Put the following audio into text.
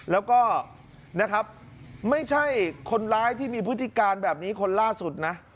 แล้วก็นะครับไม่ใช่คนร้ายที่มีพฤติการแบบนี้คนล่าสุดนะ